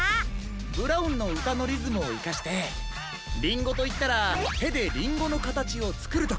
ブラウンのうたのリズムをいかしてリンゴといったらてでリンゴのかたちをつくるとか。